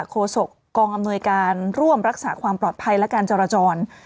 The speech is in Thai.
โศกกองอำนวยการร่วมรักษาความปลอดภัยและการจราจร